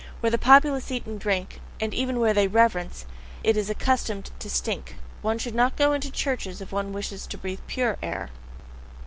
Where the populace eat and drink, and even where they reverence, it is accustomed to stink. One should not go into churches if one wishes to breathe PURE air.